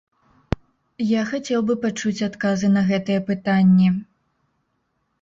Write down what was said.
Я хацеў бы пачуць адказы на гэтыя пытанні.